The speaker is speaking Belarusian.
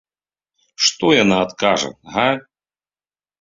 Што яна адкажа, га?